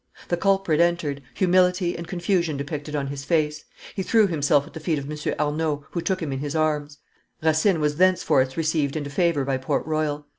The culprit entered, humility and confusion depicted on his face; he threw himself at the feet of M. Arnauld, who took him in his arms; Racine was thenceforth received into favor by Port Royal.